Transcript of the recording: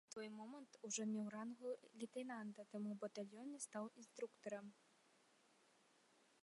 На той момант ужо меў рангу лейтэнанта, таму ў батальёне стаў інструктарам.